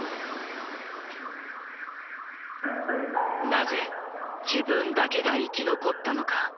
なぜ自分だけが生き残ったのか。